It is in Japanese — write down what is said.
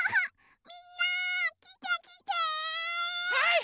みんなきてきて！